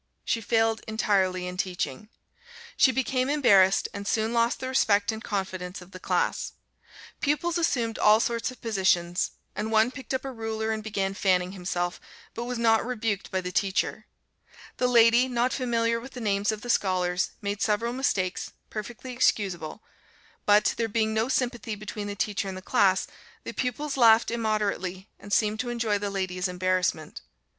She failed entirely in teaching. She became embarrassed, and soon lost the respect and confidence of the class. Pupils assumed all sorts of positions; and one picked up a ruler and began fanning himself, but was not rebuked by the teacher. The lady, not familiar with the names of the scholars, made several mistakes, (perfectly excusable); but, there being no sympathy between the teacher and the class, the pupils laughed immoderately, and seemed to enjoy the lady's embarrassment.